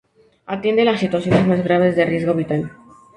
Atiende las situaciones más graves y de riesgo vital.